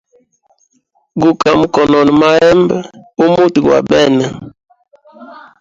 Guka mukonona mahembe u muti gwa bene.